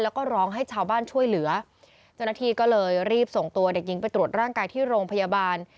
แล้วก็ร้องให้ชาวบ้านช่วยเหลือเจ้าหน้าที่ก็เลยรีบส่งตัวเด็กหญิงไปตรวจร่างกายที่โรงพยาบาล